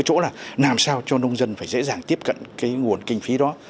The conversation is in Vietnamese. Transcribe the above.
đặc thủ là cái chỗ làm sao cho nông dân phải dễ dàng tiếp cận cái nguồn kinh phí đó